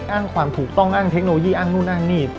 อ้างความถูกต้องอ้างเทคโนโลยีอ้างนู่นอ้างนี่